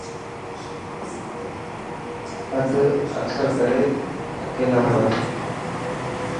اد اڪثر ڪري اڪيلا هئي ٿا.